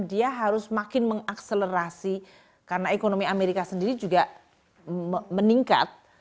dia harus makin mengakselerasi karena ekonomi amerika sendiri juga meningkat